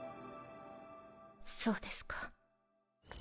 そうですか。